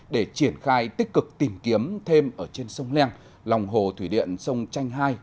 để triển khai tích cực tìm kiếm thêm ở trên sông leng lòng hồ thủy điện sông chanh hai